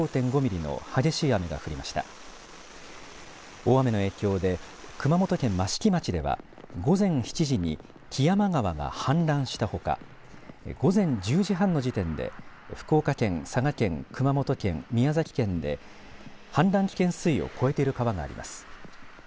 大雨の影響で熊本県益城町では午前７時に木山川が氾濫したほか午前１０時半の時点で福岡県、佐賀県、熊本県、宮崎県で氾濫危険水位を超えている川があります。